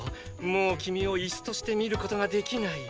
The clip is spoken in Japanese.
もう君をイスとして見ることができない。